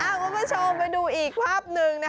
เอ้าคุณผู้ชมไปดูอีกภาพหนึ่งนะครับ